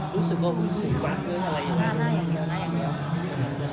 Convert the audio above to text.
รู้สึกว่าหูหูหวัดหรืออะไรอย่างนั้น